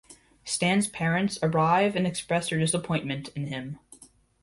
Stan's parents arrive and express their disappointment in him.